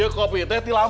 yang lain perhatikan